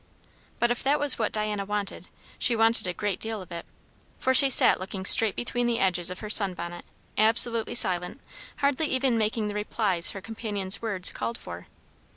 But if that was what Diana wanted, she wanted a great deal of it; for she sat looking straight between the edges of her sun bonnet, absolutely silent, hardly even making the replies her companion's words called for.